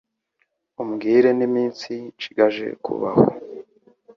umbwire n’iminsi nshigaje kubaho